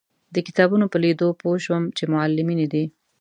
د کتابونو په لیدو پوی شوم چې معلمینې دي.